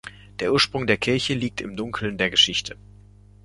Der Ursprung der Kirche liegt im Dunkel der Geschichte.